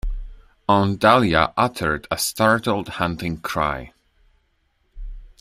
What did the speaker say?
Aunt Dahlia uttered a startled hunting cry.